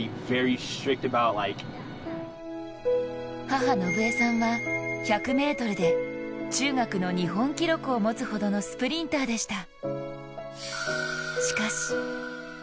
母・伸江さんは１００ｍで中学の日本記録を持つほどのスプリンターでした。